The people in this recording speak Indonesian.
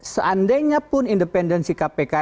seandainya pun independensi kpk